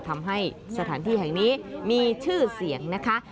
ทำให้สถานที่แห่งนี้มีชื่อเสียงนะคะ